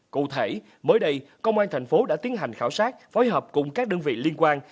cụ thể mới đây công an thành phố đã tiến hành khảo sát phối hợp cùng các đơn vị liên quan